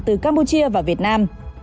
từ campuchia và việt nam